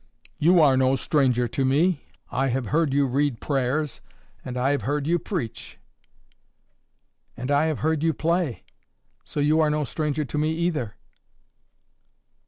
"You are no stranger to me. I have heard you read prayers, and I have heard you preach." "And I have heard you play; so you are no stranger to me either."